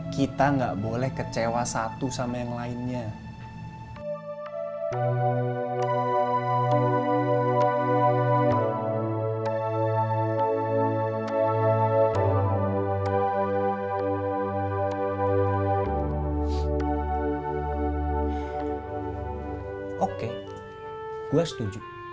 kita tuh keluarga ini keluarga